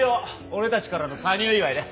俺たちからの加入祝いだ。